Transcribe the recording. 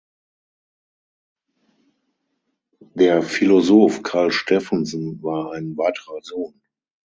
Der Philosoph Karl Steffensen war ein weiterer Sohn.